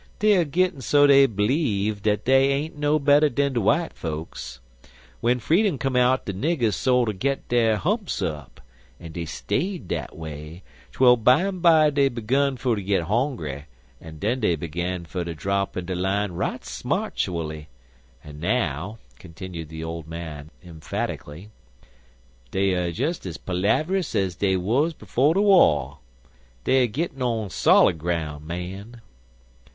Dey er gittin' so dey bleeve dat dey ain't no better dan de w'ite fokes. W'en freedom come out de niggers sorter got dere humps up, an' dey staid dat way, twel bimeby dey begun fer ter git hongry, an' den dey begun fer ter drap inter line right smartually; an' now," continued the old man, emphatically, "dey er des ez palaverous ez dey wuz befo' de war. Dey er gittin' on solid groun', mon."